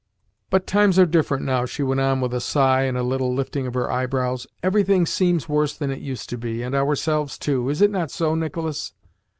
"But times are different now," she went on with a sigh and a little lifting of her eyebrows. "Everything seems worse than it used to be, and ourselves too. Is it not so, Nicolas?"